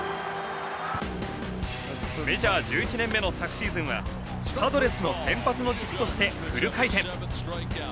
メジャー１１年目の昨シーズンはパドレスの先発の軸としてフル回転。